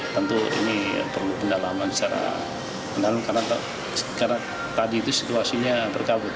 tentu ini perlu pendalaman secara mendalam karena tadi itu situasinya berkabut